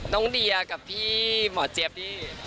น้องเดียกับพี่หมอเจี๊ยบนี่